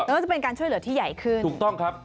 ก็จะเป็นการช่วยเหลือที่ใหญ่ขึ้นถูกต้องครับ